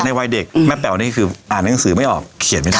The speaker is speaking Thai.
วัยเด็กแม่แป๋วนี่คืออ่านหนังสือไม่ออกเขียนไม่ได้